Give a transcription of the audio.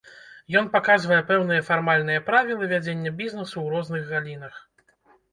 Ён паказвае пэўныя фармальныя правілы вядзення бізнесу ў розных галінах.